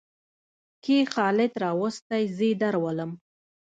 کې خالد راوستى؛ زې درولم.